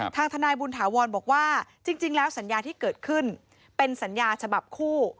ทางทนายบุญถาวรบอกว่าจริงแล้วสัญญาที่เกิดขึ้นเป็นสัญญาฉบับคู่